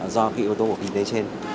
do kỳ vô tố của kinh tế trên